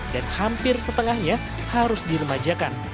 dan hampir setengahnya harus diremajakan